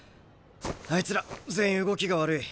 あいつら全員動きが悪い。